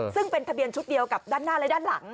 ซึ่งเป็นทะเบียนชุดเดียวกับด้านหน้าและด้านหลัง